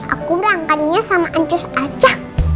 aku berangkat dengan ancus aja